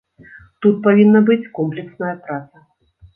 Тут павінна быць комплексная праца.